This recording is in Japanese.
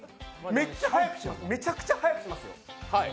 めちゃくちゃ速くしますよ。